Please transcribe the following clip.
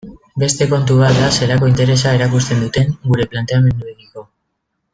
Beste kontu bat da zelako interesa erakusten duten gure planteamenduekiko.